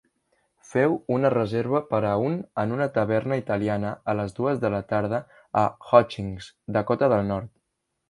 Feu una reserva per a un en una taverna italiana a les dues de la tarda a Hutchings, Dakota del Nord.